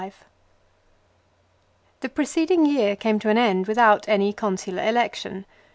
MILO. THE preceding year came to an end without any consular election.